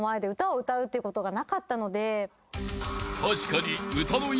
［確かに］